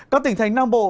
các tỉnh thành nam bộ